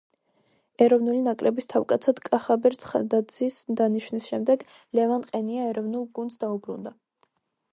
ეროვნული ნაკრების თავკაცად კახაბერ ცხადაძის დანიშნვის შემდეგ, ლევან ყენია ეროვნულ გუნდს დაუბრუნდა.